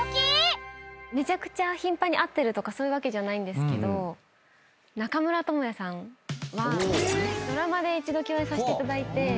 めちゃくちゃ頻繁に会ってるとかそういうわけじゃないですけど中村倫也さんはドラマで一度共演させていただいて。